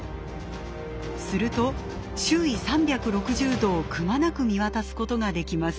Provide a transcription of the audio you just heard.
すると周囲３６０度をくまなく見渡すことができます。